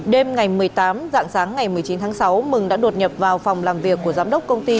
đêm ngày một mươi tám dạng sáng ngày một mươi chín tháng sáu mừng đã đột nhập vào phòng làm việc của giám đốc công ty